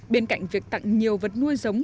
bên cạnh việc tặng nhiều vật nuôi giống